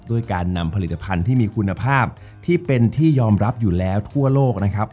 ด้วยการนำผลิตภัณฑ์ที่มีคุณภาพที่เป็นที่ยอมรับอยู่แล้วทั่วโลกนะครับ